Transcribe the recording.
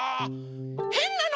へんなの？